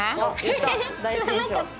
えっ知らなかった。